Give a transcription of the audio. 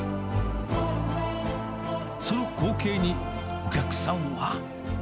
その光景に、お客さんは。